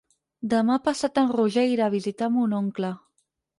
Demà passat en Roger irà a visitar mon oncle.